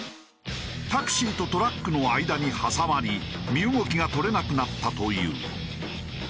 タクシーとトラックの間に挟まり身動きが取れなくなったという。